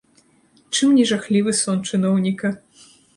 Чым не жахлівы сон чыноўніка!